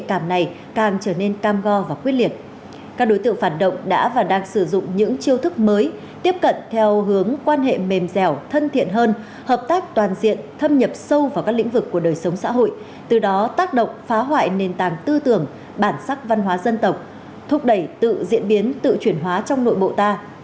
các đối tượng phản động đã và đang sử dụng những chiêu thức mới tiếp cận theo hướng quan hệ mềm dẻo thân thiện hơn hợp tác toàn diện thâm nhập sâu vào các lĩnh vực của đời sống xã hội từ đó tác động phá hoại nền tảng tư tưởng bản sắc văn hóa dân tộc thúc đẩy tự diễn biến tự chuyển hóa trong nội bộ ta